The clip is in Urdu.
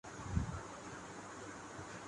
میں نے ہمت کی اور سٹیج پر چڑھ گیا